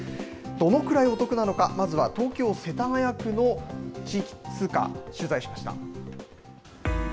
どのくらいお得なのか、まずは東京・世田谷区の地域通貨、取材しました。